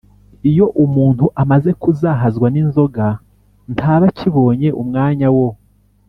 iyo umuntu amaze kuzahazwa n’inzoga ntaba akibonye umwanya wo